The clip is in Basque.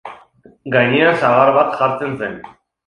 Gainean sagar bat jartzen zen.